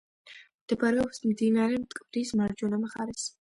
მდებარეობს მდინარე მტკვრის მარჯვენა მხარეს.